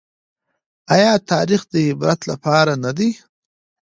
ايا تاريخ د عبرت لپاره نه دی؟